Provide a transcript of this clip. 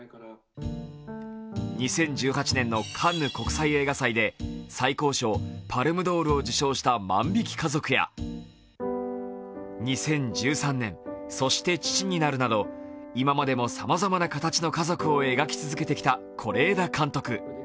２０１８年のカンヌ国際映画祭で最高賞パルムドールを受賞した「万引き家族」や２０１３年「そして父になる」など今までもさまざまな形の家族を描き続けてきた是枝監督。